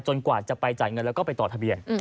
กว่าจะไปจ่ายเงินแล้วก็ไปต่อทะเบียน